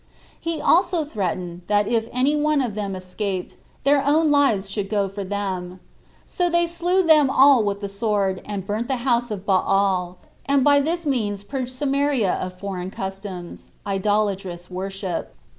He also threatened, that if any one of them escaped, their own lives should go for them. So they slew them all with the sword, and burnt the house of Baal, and by that means purged Samaria of foreign customs [idolatrous worship].